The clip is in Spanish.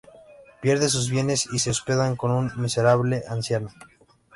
Pierden sus bienes y se hospedan con una miserable anciana.